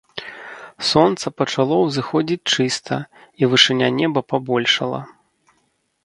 Сонца пачало ўзыходзіць чыста, і вышыня неба пабольшала.